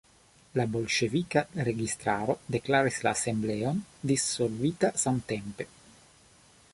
La bolŝevika registaro deklaris la Asembleon dissolvita samtempe.